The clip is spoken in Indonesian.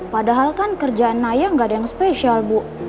padahal kan kerja naya gak ada yang spesial bu